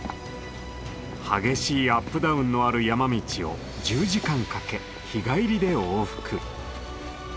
激しいアップダウンのある山道を１０時間かけ日帰りで往復。